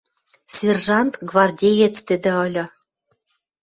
Сержант, гвардеец тӹдӹ ыльы.